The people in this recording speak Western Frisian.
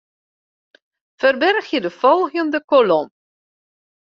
Ferbergje de folgjende kolom.